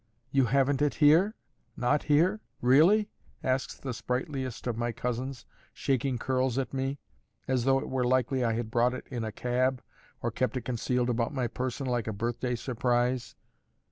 "You haven't it here? not here? Really?" asks the sprightliest of my cousins, shaking curls at me; as though it were likely I had brought it in a cab, or kept it concealed about my person like a birthday surprise.